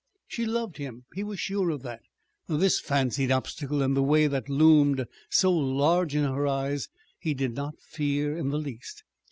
She loved him; he was sure of that. This fancied obstacle in the way that loomed so large in her eyes, he did not fear in the least.